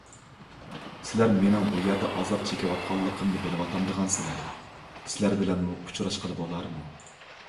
سىلەر مېنىڭ بۇ يەردە ئازاب چېكىۋاتقانلىقىمنى بىلىۋاتامدىغانسىلەر؟ سىلەر بىلەنمۇ ئۇچراشقىلى بولارمۇ؟